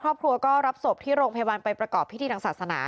ครอบครัวก็รับศพที่โรงพยาบาลไปประกอบพิธีทางศาสนา